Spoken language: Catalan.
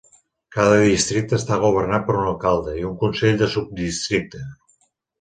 Cada districte està governat per un alcalde i un consell del subdistricte.